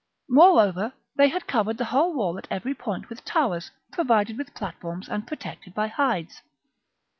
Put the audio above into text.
Moreover, they had covered the whole wall at every point with towers, provided with platforms, and protected by hides.